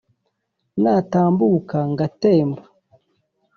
natambuka ngatemba